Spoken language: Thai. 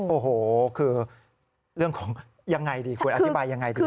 โอ้โหคือเรื่องของควรอธิบายยังไงดี